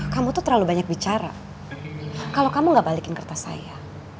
kamu tuh terlalu banyak bicara kalau kamu gak balikin kertas saya